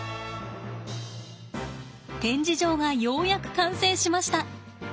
展示場がようやく完成しました。